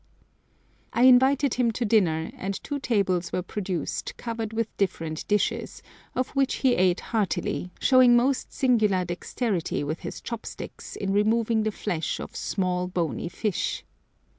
I invited him to dinner, and two tables were produced covered with different dishes, of which he ate heartily, showing most singular dexterity with his chopsticks in removing the flesh of small, bony fish.